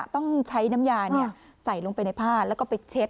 ต้องใช้น้ำยาใส่ลงไปในผ้าแล้วก็ไปเช็ด